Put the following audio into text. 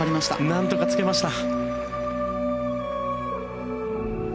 何とかつけました。